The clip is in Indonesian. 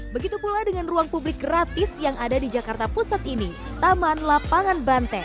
begitu pula dengan ruang publik gratis yang ada di jakarta pusat ini taman lapangan banteng